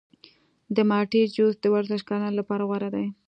د مالټې جوس د ورزشکارانو لپاره غوره دی.